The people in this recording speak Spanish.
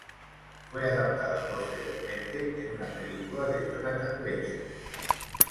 Fue adaptada posteriormente en una película de Jonathan Glazer.